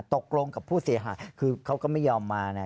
ตกลงกับผู้เสียหายคือเขาก็ไม่ยอมมานะ